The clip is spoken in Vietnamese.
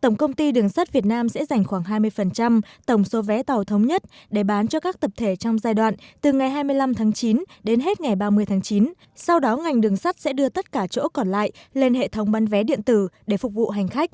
tổng công ty đường sắt việt nam sẽ dành khoảng hai mươi tổng số vé tàu thống nhất để bán cho các tập thể trong giai đoạn từ ngày hai mươi năm tháng chín đến hết ngày ba mươi tháng chín sau đó ngành đường sắt sẽ đưa tất cả chỗ còn lại lên hệ thống bán vé điện tử để phục vụ hành khách